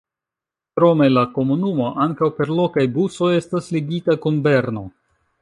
Krome la komunumo ankaŭ per lokaj busoj estas ligita kun Berno.